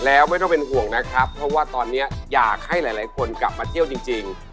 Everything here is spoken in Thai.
แล้วไม่ต้องเป็นห่วงนะครับเพราะว่าตอนนี้อยากให้หลายคนกลับมาเที่ยวจริง